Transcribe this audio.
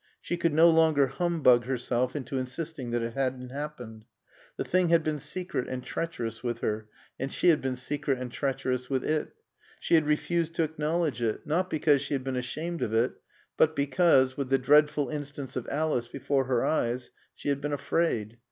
She could no longer humbug herself into insisting that it hadn't happened. The thing had been secret and treacherous with her, and she had been secret and treacherous with it. She had refused to acknowledge it, not because she had been ashamed of it but because, with the dreadful instance of Alice before her eyes, she had been afraid.